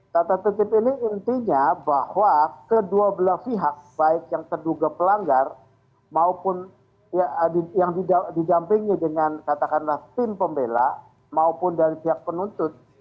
tata tertib ini intinya bahwa kedua belah pihak baik yang terduga pelanggar maupun yang didampingi dengan katakanlah tim pembela maupun dari pihak penuntut